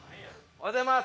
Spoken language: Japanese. おはようございます！